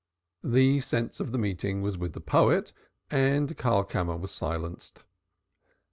The sense of the meeting was with the poet and Karlkammer was silenced.